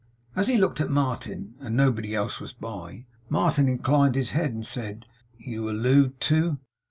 As he looked at Martin, and nobody else was by, Martin inclined his head, and said: 'You allude to